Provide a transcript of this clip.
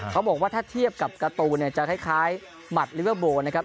เขาบอกว่าถ้าเทียบกับการ์ตูเนี่ยจะคล้ายหมัดลิเวอร์โบนะครับ